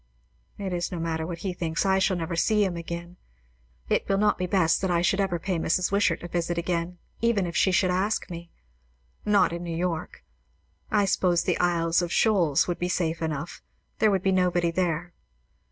It is no matter what he thinks; I shall never see him again; it will not be best that I should ever pay Mrs. Wishart a visit again, even if she should ask me; not in New York. I suppose the Isles of Shoals would be safe enough. There would be nobody there.